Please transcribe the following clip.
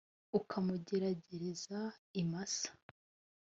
ukamugeragereza i masa,